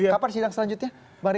kapan sidang selanjutnya